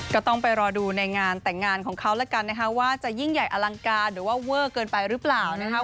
ก็ต้องไปรอดูในงานแต่งงานของเขาแล้วกันนะคะว่าจะยิ่งใหญ่อลังการหรือว่าเวอร์เกินไปหรือเปล่านะครับ